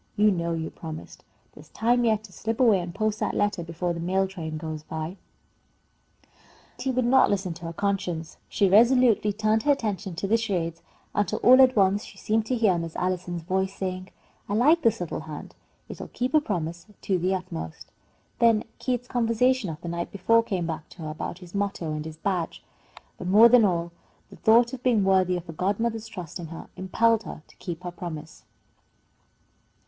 You know you promised. There's time yet to slip away and post that letter before the mail train goes by." But Betty would not listen to her conscience. She resolutely turned her attention to the charades, until all at once she seemed to hear Miss Allison's voice saying, "I like this little hand. It will keep a promise to the utmost." Then Keith's conversation of the night before came back to her about his motto and his badge. But more than all, the thought of being worthy of her godmother's trust in her impelled her to keep her promise.